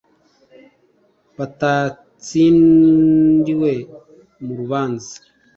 batatsindiwe mu rubanza